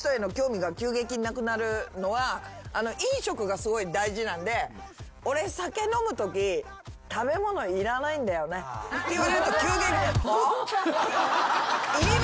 飲食がすごい大事なんで「俺酒飲むとき食べ物いらないんだよね」って言われると急激に。